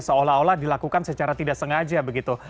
seolah olah dilakukan secara tidak sengaja begitu